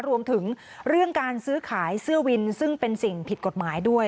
รวมถึงเรื่องการซื้อขายเสื้อวินซึ่งเป็นสิ่งผิดกฎหมายด้วย